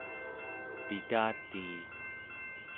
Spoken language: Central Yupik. pitatii